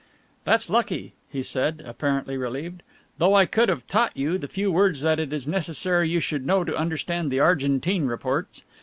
"That's lucky," he said, apparently relieved, "though I could have taught you the few words that it is necessary you should know to understand the Argentine reports.